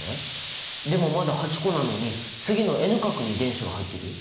でもまだ８個なのに次のＮ殻に電子が入ってるよ。